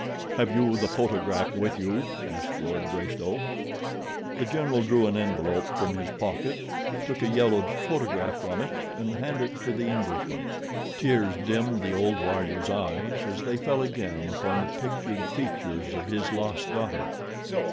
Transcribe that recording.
"Have you the photograph with you?" asked Lord Greystoke. The General drew an envelope from his pocket, took a yellowed photograph from it and handed it to the Englishman. Tears dimmed the old warrior's eyes as they fell again upon the pictured features of his lost daughter.